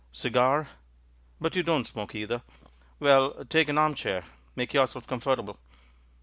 "Cigar? But you don't smoke either! Well, take an armchair; make yourself comfortable.